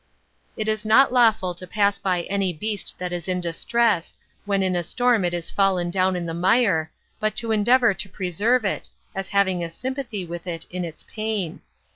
30. It is not lawful to pass by any beast that is in distress, when in a storm it is fallen down in the mire, but to endeavor to preserve it, as having a sympathy with it in its pain.